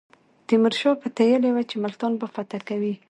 تیمور شاه پتېیلې وه چې ملتان به فتح کوي.